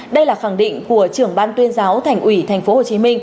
đây là khẳng định của trưởng ban tuyên giáo thành ủy tp hcm